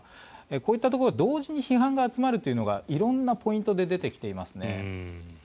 こういったところに同時に批判が集まるというのが色んなポイントで出てきていますね。